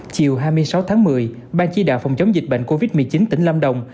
chiều hai mươi sáu tháng một mươi ban chỉ đạo phòng chống dịch bệnh covid một mươi chín tỉnh lâm đồng